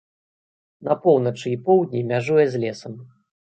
На поўначы і поўдні мяжуе з лесам.